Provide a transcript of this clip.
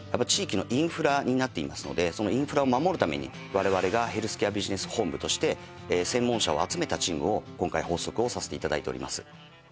地域のインフラになっていますのでそのインフラを守るために我々がヘルスケアビジネス本部として専門者を集めたチームを今回発足をさせて頂いております。